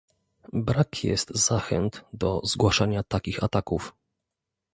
Brak jest zachęt do zgłaszania takich ataków